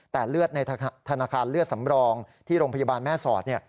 แต่เลือดในธนาคารเลือดสำรองที่โรงพยาบาลแม่สอด